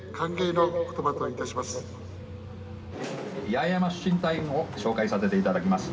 八重山出身隊員を紹介させていただきます。